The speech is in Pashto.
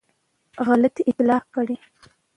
غلطي اصلاح کړې.